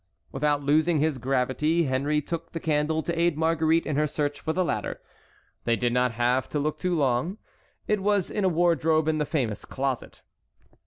Without losing his gravity Henry took the candle to aid Marguerite in her search for the ladder. They did not have to look long; it was in a wardrobe in the famous closet.